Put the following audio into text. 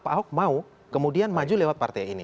pak ahok mau kemudian maju lewat partai ini